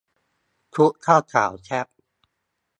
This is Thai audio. ชุดเจ้าสาวแซ่บ